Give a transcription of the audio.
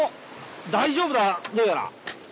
大丈夫だどうやら。